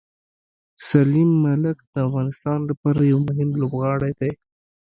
سلیم ملک د افغانستان لپاره یو مهم لوبغاړی دی.